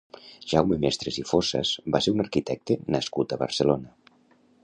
Jaume Mestres i Fossas va ser un arquitecte nascut a Barcelona.